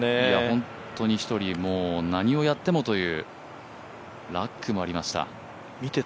本当に一人、何をやってもという、ラックもありました。